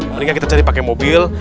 mendingan kita cari pakai mobil